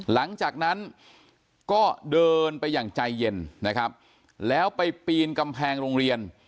หลังจากนั้นก็เดินไปอย่างใจเย็นนะครับแล้วไปปีนกำแพงโรงเรียน